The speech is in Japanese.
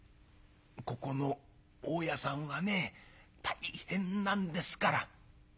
「ここの大家さんはね大変なんですから」。